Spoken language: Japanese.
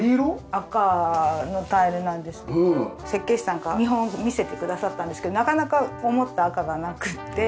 赤のタイルなんですけど設計士さんが見本を見せてくださったんですけどなかなか思った赤がなくって。